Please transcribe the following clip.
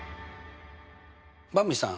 ばんびさん